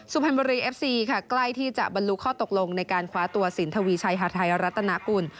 สุพรรณบุรีเอฟซีค่ะใกล้ที่จะบรรลุข้อตกลงในการคว้าตัวสินทวีชัยฮาไทยรัฐนากุล